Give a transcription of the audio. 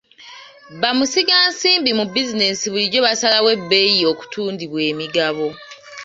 Bamusigansimbi mu bizinesi bulijjo basalawo ebbeeyi okutundibwa emigabo.